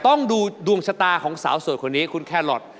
ต้องดูดวงชะตาของสาวสวยคนนี้คุณแครอท